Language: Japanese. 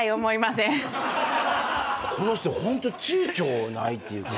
この人ホントちゅうちょないっていうか。